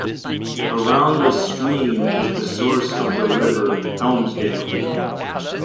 Around this stream is the Source of the River Helmsdale.